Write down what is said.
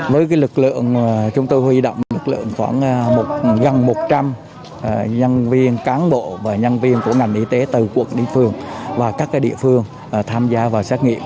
với lực lượng chúng tôi huy động lực lượng khoảng gần một trăm linh nhân viên cán bộ và nhân viên của ngành y tế từ quận đến phường và các địa phương tham gia vào xét nghiệm